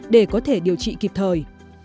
để có thể điều trị kịp thời